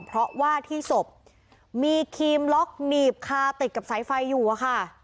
เพราะว่าที่ศพมีครีมล็อกหนีบคาติดกับสายไฟอยู่อะค่ะ